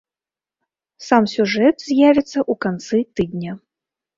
Сам сюжэт з'явіцца ў канцы тыдня.